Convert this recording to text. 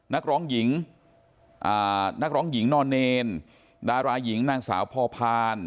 นักร้องหญิงนักร้องหญิงนอนเนรดาราหญิงนางสาวพอพาน